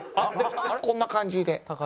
こんな感じで。